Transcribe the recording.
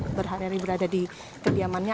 karena setelah berhari hari berada di kediamannya